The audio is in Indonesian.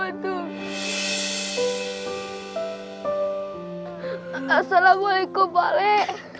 assalamualaikum pak lek